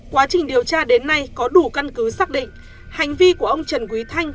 quá trình điều tra đến nay có đủ căn cứ xác định hành vi của ông trần quý thanh